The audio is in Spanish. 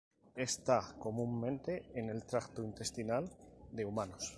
Está comúnmente en el tracto intestinal de humanos.